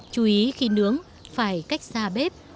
chú ý khi nướng phải cách xa bếp